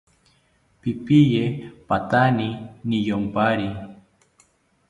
Pipiye patani niyompari